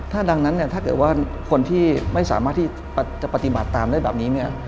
ถ้าเกิดว่าคนที่ไม่สามารถที่จะปฏิบัติตามได้แบบนี้เนี่ย